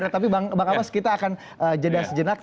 tapi bang abbas kita akan jenak jenak